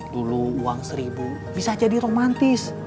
dulu uang seribu bisa jadi romantis